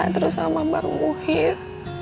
terus sama bang muhid